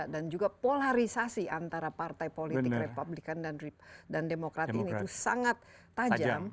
dan juga polarisasi antara partai politik republikan dan demokrati ini itu sangat tajam